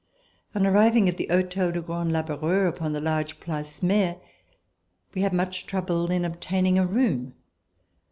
On arriving at the Hotel du Grand Laboureur upon the large Place Meir, we had much trouble in obtaining a room.